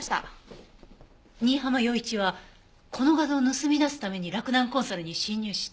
新浜陽一はこの画像を盗み出すために洛南コンサルに侵入した。